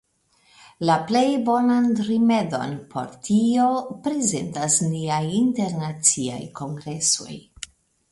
La plej bonan rimedon por tio prezentas niaj internaciaj kongresoj.